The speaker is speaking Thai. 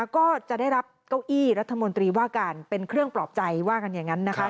ก็จะได้รับเก้าอี้รัฐมนตรีว่าการเป็นเครื่องปลอบใจว่ากันอย่างนั้นนะคะ